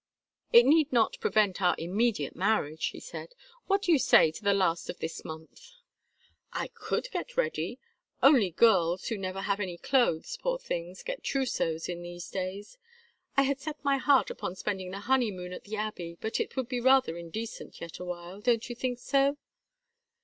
"It need not prevent our immediate marriage," he said. "What do you say to the last of this month?" "I could get ready. Only girls, who never have any clothes, poor things, get trousseaux in these days. I had set my heart upon spending the honeymoon at the Abbey, but it would be rather indecent yet awhile; don't you think so?"